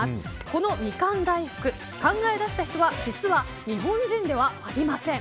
このミカン大福、考え出した人は実は日本人ではありません。